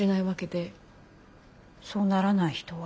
そうならない人は？